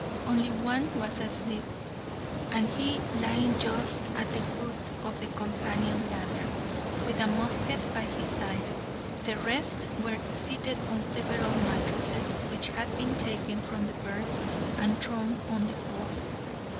Only one was asleep, and he lying just at the foot of the companion ladder, with a musket by his side. The rest were seated on several mattresses, which had been taken from the berths and thrown on the floor.